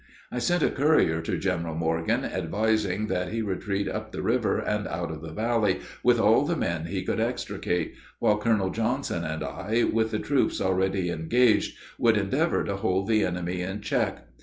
I sent a courier to General Morgan, advising that he retreat up the river and out of the valley with all the men he could extricate, while Colonel Johnson and I, with the troops already engaged, would endeavor to hold the enemy in check.